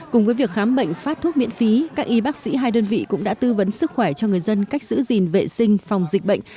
cùng với việc khám bệnh phát thuốc miễn phí các y bác sĩ hai đơn vị cũng đã tư vấn sức khỏe cho người dân cách giữ gìn vệ sinh phòng dịch bệnh